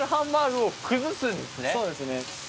そうですね。